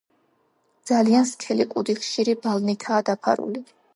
ძალიან სქელი კუდი ხშირი ბალნითაა დაფარული.